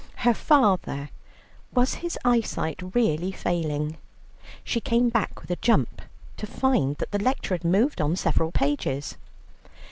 her father, was his eyesight really failing? She came back with a jump to find that the lecture had moved on several pages.